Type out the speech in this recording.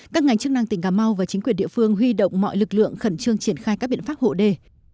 các ngành chức năng tỉnh cà mau và chính quyền địa phương huy động mọi lực lượng khẩn trương triển khai các biện pháp hộ đê